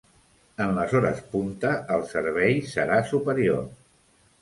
En les hores punta, el servei serà superior.